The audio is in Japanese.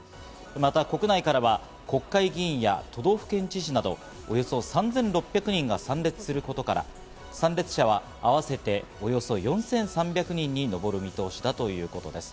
また国内からは国会議員や都道府県知事など、およそ３６００人が参列することから、参列者は合わせて、およそ４３００人に上る見通しだということです。